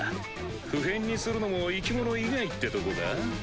不変にするのも生き物以外ってとこか？